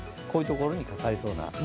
こういうところにかかりそうな。